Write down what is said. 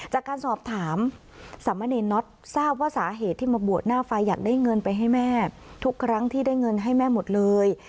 จากการสอบถามสามเณรน็อตทราบว่าสาเหตุที่มาบวชหน้าไฟอยากได้เงินไปให้แม่ทุกครั้งที่ได้เงินให้แม่หมดเลย